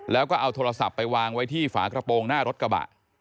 แล้วก็เอาโทรศัพท์ไปวางไว้ที่ฝากระโปรงหน้ารถกระบะ